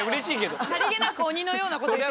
さりげなく鬼のようなこと言ってた。